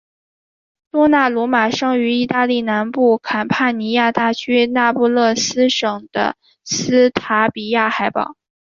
多纳鲁马生于义大利南部坎帕尼亚大区那不勒斯省的斯塔比亚海堡。